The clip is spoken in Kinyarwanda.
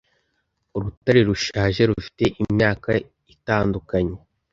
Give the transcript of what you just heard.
Urutare rushaje rufite imyaka itandukanye